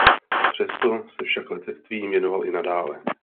Přesto se však letectví věnoval i nadále.